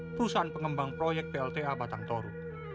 perusahaan pengembang proyek plta batang toru